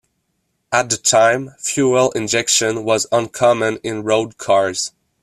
At the time, fuel injection was uncommon in road cars.